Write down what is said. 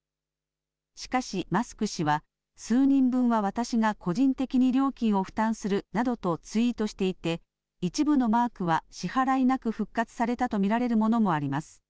しかしマスク氏は数人分は私が個人的に料金を負担するなどとツイートしていて一部のマークは支払いなく復活されたと見られるものもあります。